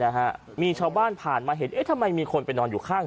นะฮะมีชาวบ้านผ่านมาเห็นเอ๊ะทำไมมีคนไปนอนอยู่ข้าง